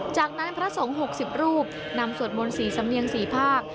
จากนั้นพระสงฆ์๖๐รูปนำสวดมนต์๔สำเนียง๔ภาค